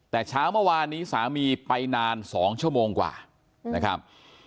แต่เช้าเมื่อวานนี้สามีไปนาน๒ชั่วโมงกว่านะครับ